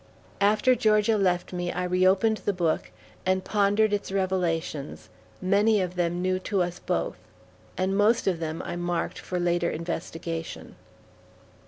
After Georgia left me, I reopened the book, and pondered its revelations, many of them new to us both; and most of them I marked for later investigation.